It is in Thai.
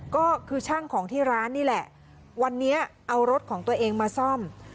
ก็คือช่างของที่ร้านนี่แหละวันนี้เอารถของตัวเองมาซ่อม